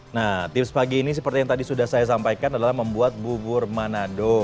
nah tips pagi ini seperti yang tadi sudah saya sampaikan adalah membuat bubur manado